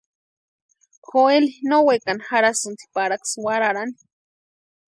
Joeli no wekani jarhasïnti paraksï warharani.